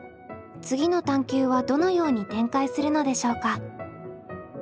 次の探究はどのように展開するのでしょうか？